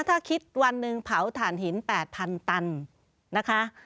ถ้าคิดวันหนึ่งเผาถ่านหิน๘๐๐๐ตันนะคะ